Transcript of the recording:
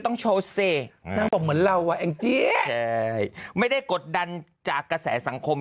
ต้องโชเซนั่งบอกมันเราว่ะแอ้งจี้ไม่ได้กดดันจากกระแสสังคม